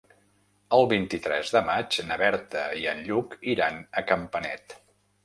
El vint-i-tres de maig na Berta i en Lluc iran a Campanet.